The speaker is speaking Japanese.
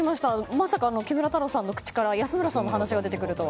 まさか木村太郎さんの口から安村さんの話が出てくるとは。